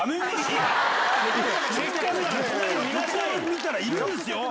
見たらいるんですよ！